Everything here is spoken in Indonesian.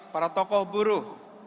para tokoh buruh